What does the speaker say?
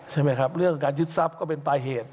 ใช่ไหมครับเรื่องการยึดทรัพย์ก็เป็นปลายเหตุ